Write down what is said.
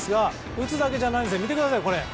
打つだけじゃなくてこちら、見てください。